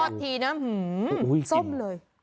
พอดทีนะเฮ้ยส้มเลย